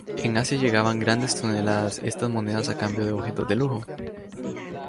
En Asia llegaban grandes toneladas estas monedas a cambio de objetos de lujo.